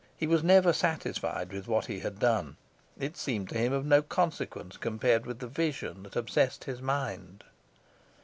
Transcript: He was never satisfied with what he had done; it seemed to him of no consequence compared with the vision that obsessed his mind.